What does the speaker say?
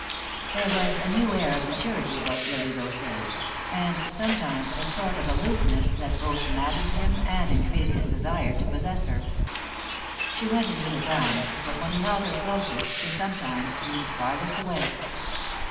There was a new air of maturity about Lily those days, and sometimes a sort of aloofness that both maddened him and increased his desire to possess her. She went into his arms, but when he held her closest she sometimes seemed farthest away.